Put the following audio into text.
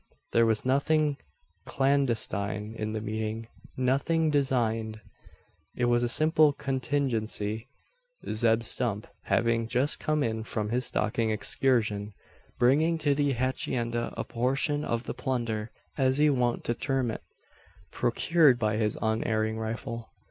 There was nothing clandestine in the meeting, nothing designed. It was a simple contingency, Zeb Stump having just come in from his stalking excursion, bringing to the hacienda a portion of the "plunder" as he was wont to term it procured by his unerring rifle.